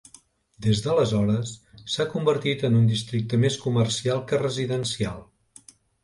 Des d'aleshores, s'ha convertit en un districte més comercial que residencial.